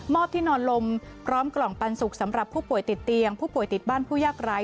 ที่นอนลมพร้อมกล่องปันสุกสำหรับผู้ป่วยติดเตียงผู้ป่วยติดบ้านผู้ยากร้าย